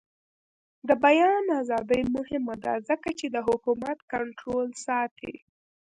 د بیان ازادي مهمه ده ځکه چې د حکومت کنټرول ساتي.